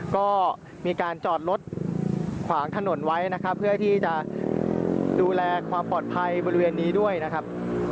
ก็มีการจอดรถขวางถนนไว้นะครับเพื่อที่จะดูแลความปลอดภัยบริเวณนี้ด้วยนะครับ